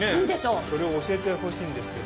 それを教えてほしいんですけど。